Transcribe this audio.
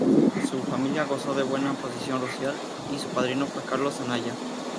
Su familia gozó de buena posición social y su padrino fue Carlos Anaya.